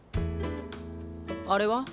あれは？